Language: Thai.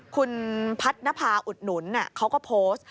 คุณพัฒนภาอุดหนุนเขาก็โพสต์